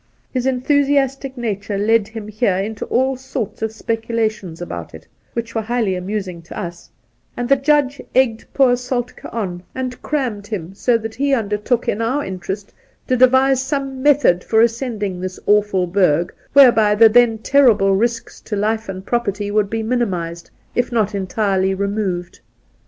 His enthusi astic nature led him here into all sorts of specula tions about it, which were highly amusing to us ; and the Judge egged poor Soltk^ on and crammed 4—2 52 Soltke him so that he undertook in our interest to devise some method for ascending this awful Berg whereby the then terribles risks to life and property would be minimized, if not entirely removed.